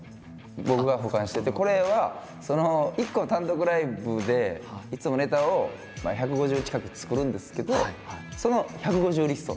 僕が保管しててこれは１個単独ライブでいつもネタを１５０近く作るんですけどその１５０リスト。